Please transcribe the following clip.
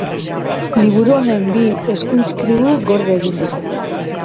Liburu honen bi eskuizkribu gorde egin dira.